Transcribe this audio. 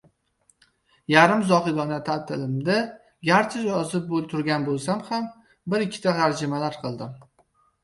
Yarim zohidona taʼtilimda garchi yozib turgan boʻlsam ham, bir-ikkita tarjimalar qildim.